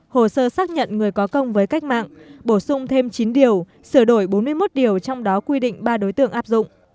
hồ sơ xác nhận người có công với cách mạng bổ sung thêm chín điều sửa đổi bốn mươi một điều trong đó quy định ba đối tượng áp dụng